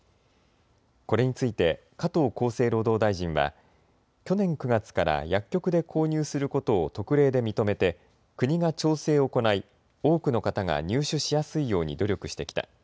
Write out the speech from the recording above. これについて加藤厚生労働大臣は去年９月から薬局で購入することを特例で認めて国が調整を行い、多くの方が入手しやすいように努力してきた。